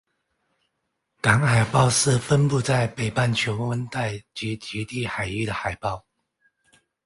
港海豹是分布在北半球温带及极地海域的海豹。